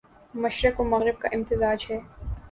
مشرق و مغرب کا امتزاج ہے